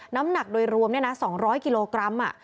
น้ำหนักโดยรวมเนี้ยน่ะสองร้อยกิโลกรัมอ่ะ